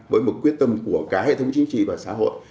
với một quyết tâm của cả hệ thống chính trị và xã hội